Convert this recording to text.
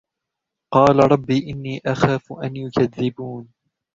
قَالَ رَبِّ إِنِّي أَخَافُ أَنْ يُكَذِّبُونِ